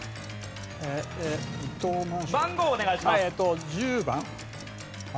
番号お願いします。